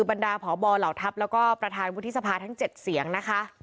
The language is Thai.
บรรดาพบเหล่าทัพแล้วก็ประธานวุฒิสภาทั้ง๗เสียงนะคะ